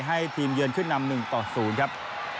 ให้ทีมเยือนขึ้นนำ๑ต่อ๐ครับ